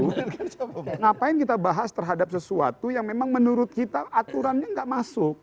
ngapain kita bahas terhadap sesuatu yang memang menurut kita aturannya nggak masuk